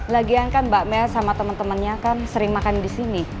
lagian kan mbak mea sama temen temennya kan sering makan disini